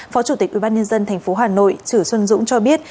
phó chủ tịch ubnd tp hà nội chử xuân dũng cho biết